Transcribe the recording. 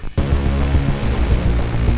saya mau ke rumah